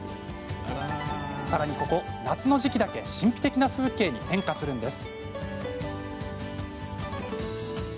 さらにここ、夏の時期だけ神秘的な風景に変化するんです。